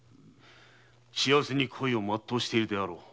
幸せに恋を全うしているであろう。